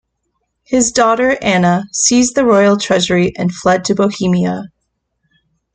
His daughter, Anna, seized the royal treasury and fled to Bohemia.